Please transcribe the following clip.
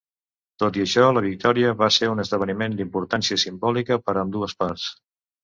Tot i això, la victòria va ser un esdeveniment d'importància simbòlica per a ambdues parts.